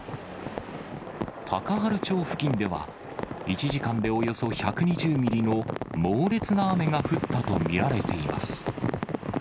高原町付近では、１時間でおよそ１２０ミリの猛烈な雨が降ったと見られています。